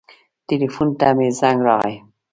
ټیلیفون ته مې زنګ راغی.